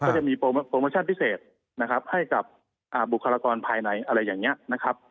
ก็จะมีโปรโมชั่นพิเศษนะครับให้กับบุคลากรภายในอะไรอย่างนี้นะครับ